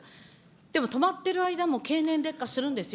でも、止まっている間も経年劣化するんですよ。